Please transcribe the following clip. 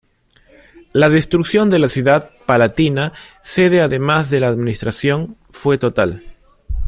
La destrucción de la ciudad palatina, sede además de la Administración, fue total.